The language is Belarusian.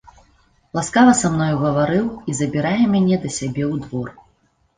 Ласкава са мною гаварыў і забірае мяне да сябе ў двор!